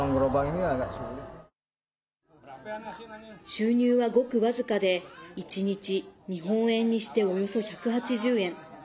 収入は、ごく僅かで１日、日本円にしておよそ１８０円。